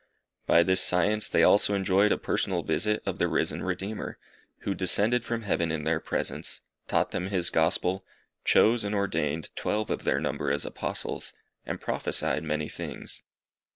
By this science they also enjoyed a personal visit of the risen Redeemer, who descended from heaven in their presence, taught them his Gospel, chose and ordained twelve of their number as Apostles, and prophesied many things.